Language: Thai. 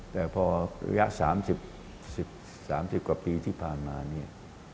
แต่พอระยะ๓๐๓๐กว่าปีที่ผ่านมาเนี่ย